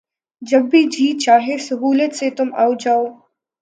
جب بھی جی چاہے سہولت سے تُم آؤ جاؤ